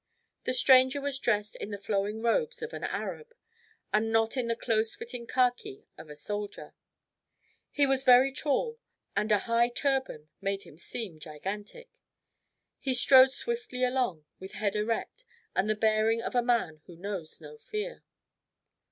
The stranger was dressed in the flowing robes of an Arab, and not in the close fitting khaki of a soldier. He was very tall, and a high turban made him seem gigantic. He strode swiftly along, with head erect, and the bearing of a man who knows no fear.